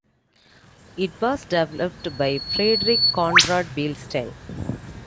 It was developed by Friedrich Konrad Beilstein.